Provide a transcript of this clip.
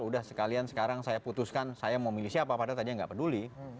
udah sekalian sekarang saya putuskan saya mau milih siapa padahal tadinya nggak peduli